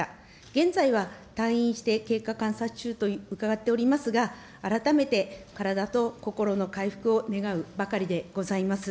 現在は退院して経過観察中と伺っておりますが、改めて体と心の回復を願うばかりでございます。